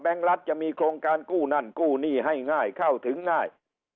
รัฐจะมีโครงการกู้นั่นกู้หนี้ให้ง่ายเข้าถึงง่าย